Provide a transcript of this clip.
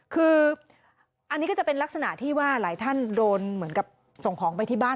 คืออันนี้ก็จะเป็นลักษณะที่ว่าหลายท่านโดนเหมือนกับส่งของไปที่บ้าน